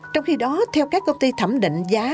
trong khi đó theo các công ty thẩm định giá